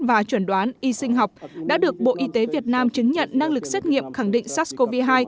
và chuẩn đoán y sinh học đã được bộ y tế việt nam chứng nhận năng lực xét nghiệm khẳng định sars cov hai